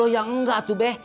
ya enggak tuh be